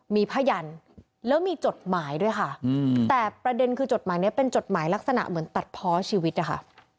มีผ้ายันแล้วมีจดหมายด้วยค่ะแต่ประเด็นคือจดหมายนี้เป็นจดหมายลักษณะเหมือนตัดเพาะชีวิตนะคะ